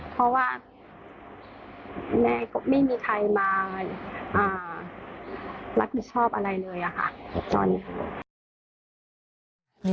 เพราะว่าแม่ก็ไม่มีใครมารับผิดชอบอะไรเลยอะค่ะ